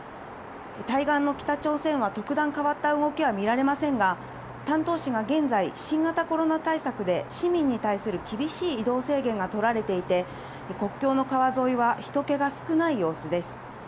対岸の北朝鮮は特段変わった動きは見られませんが、丹東市が現在、新型コロナ対策で市民に対する厳しい移動制限が取られていて、国境の川沿いはひと気が少ない様子です。